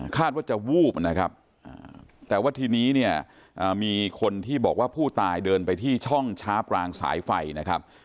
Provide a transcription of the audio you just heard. ว่าจะวูบนะครับแต่ว่าทีนี้เนี่ยมีคนที่บอกว่าผู้ตายเดินไปที่ช่องช้าปรางสายไฟนะครับ